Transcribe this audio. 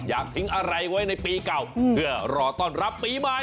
อยากทิ้งอะไรไว้ในปีเก่าเพื่อรอต้อนรับปีใหม่